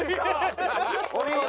お見事。